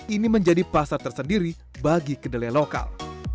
ini menjadi pasar tersendiri bagi kedelai lokal